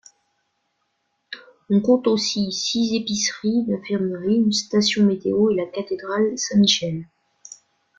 On compte aussi six épiceries, une infirmerie, une station météo et la cathédrale Saint-Michel.